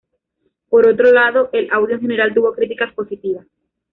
Por otro lado, el audio en general tuvo críticas positiva.